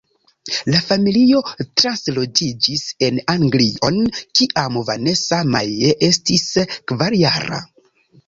La familio transloĝiĝis en Anglion, kiam Vanessa-Mae estis kvarjara.